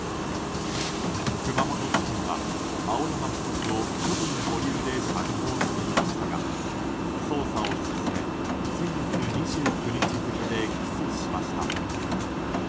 熊本地検は、青山被告を処分保留で釈放していましたが捜査を進め先月２９日付で起訴しました。